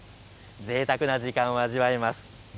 ぜいたくな時間を味わえます。